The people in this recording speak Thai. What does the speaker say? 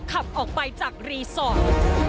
ขับออกไปจากรีสอร์ท